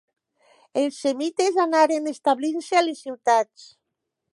Els semites anaren establint-se a les ciutats.